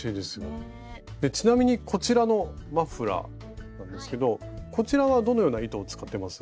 ちなみにこちらのマフラーなんですけどこちらはどのような糸を使ってます？